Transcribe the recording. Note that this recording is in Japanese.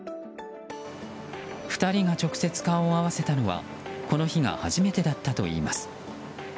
２人が直接顔を合わせたのはこの日が初めてだったといいます。